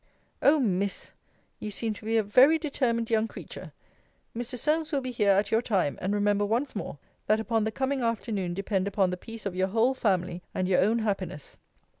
O Miss! you seem to be a very determined young creature. Mr. Solmes will be here at your time: and remember once more, that upon the coming afternoon depend upon the peace of your whole family, and your own happiness.